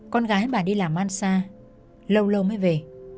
con gái bà đi làm ăn xa lâu lâu mới về